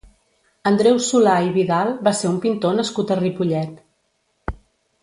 Andreu Solà i Vidal va ser un pintor nascut a Ripollet.